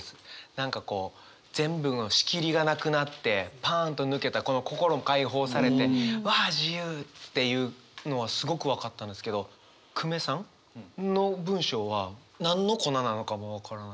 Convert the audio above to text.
何かこう全部の仕切りがなくなってパンと抜けたこの心も開放されて「わあ自由！」っていうのはすごく分かったんですけど久米さん？の文章は何の粉なのかも分からない。